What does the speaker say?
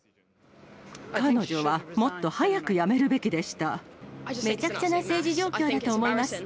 彼女はもっと早く辞めるべきめちゃくちゃな政治状況だと思います。